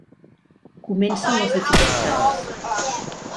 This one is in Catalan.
Comencen les dificultats.